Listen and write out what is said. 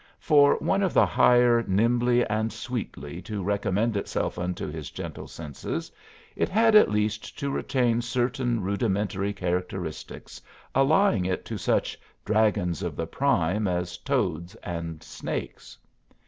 For one of the higher nimbly and sweetly to recommend itself unto his gentle senses it had at least to retain certain rudimentary characteristics allying it to such "dragons of the prime" as toads and snakes.